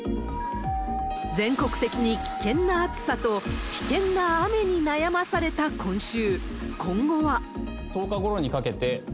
全国的に危険な暑さと危険な雨に悩まされた今週。